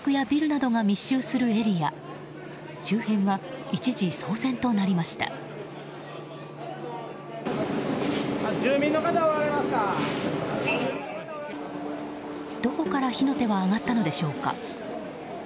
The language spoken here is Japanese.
どこから火の手は上がったのでしょうか。